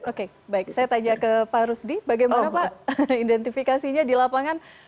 oke baik saya tanya ke pak rusdi bagaimana pak identifikasinya di lapangan